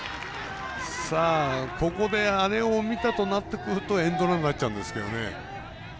ここであれを見たとなるとエンドランになっちゃうんですけどね。